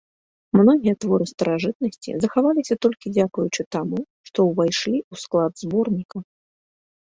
Многія творы старажытнасці захаваліся толькі дзякуючы таму, што ўвайшлі ў склад зборніка.